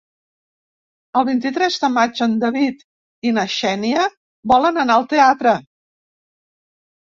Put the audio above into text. El vint-i-tres de maig en David i na Xènia volen anar al teatre.